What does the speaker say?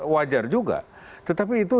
wajar juga tetapi itu